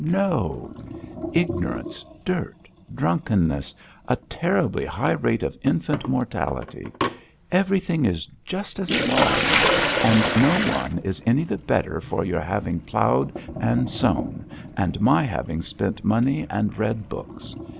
No! Ignorance, dirt, drunkenness, a terribly high rate of infant mortality everything is just as it was, and no one is any the better for your having ploughed and sown and my having spent money and read books.